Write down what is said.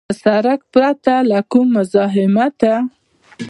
پر سړک پرته له کوم مزاحمته.